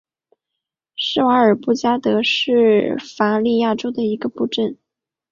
施瓦尔岑布鲁克是德国巴伐利亚州的一个市镇。